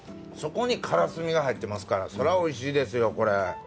そこにからすみ入ってますからそらおいしいですよこれ。